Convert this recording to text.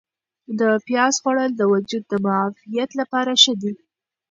د پیاز خوړل د وجود د معافیت لپاره ښه دي.